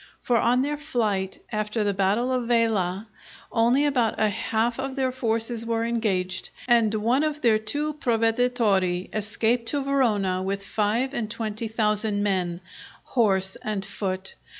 For on their flight after the battle of Vailà only about a half of their forces were engaged, and one of their two provedditori escaped to Verona with five and twenty thousand men, horse and foot.